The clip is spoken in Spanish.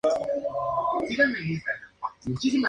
En agua se disuelve con reacción ligeramente básica.